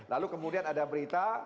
lalu kemudian ada berita